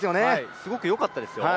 すごくよかったですよ。